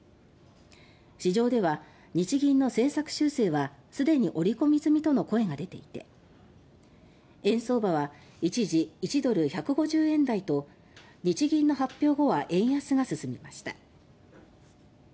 市場では日銀の政策修正はすでに織り込み済みとの声がでていて円相場は一時１ドル１５０円台と日銀の発表後は円安が進みました。